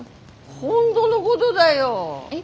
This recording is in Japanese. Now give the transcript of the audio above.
本当のごどだよ。